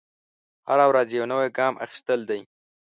هره ورځ یو نوی ګام اخیستل دی.